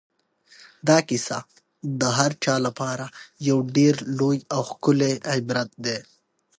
دا کیسه د هر چا لپاره یو ډېر لوی او ښکلی عبرت دی.